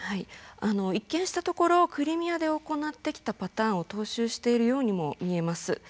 一見したところクリミアで行ってきたパターンを踏襲しているようにも見えます。